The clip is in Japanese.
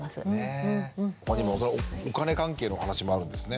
他にもお金関係の話もあるんですね。